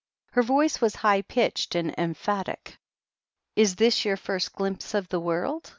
Her voice was high pitched and emphatic. "Is this your first glimpse of the world?"